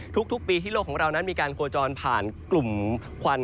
ทุกปีที่โลกของเรานั้นมีการโคจรผ่านกลุ่มควัน